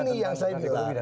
tentang ekonomi dan sebagainya